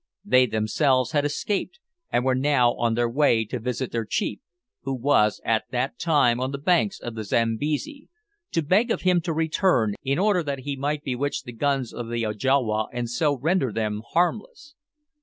They themselves had escaped, and were now on their way to visit their chief, who was at that time on the banks of the Zambesi, to beg of him to return, in order that he might bewitch the guns of the Ajawa, and so render them harmless!